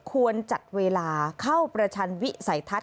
ควรจัดเวลาเข้าประชันวิสัยทัศน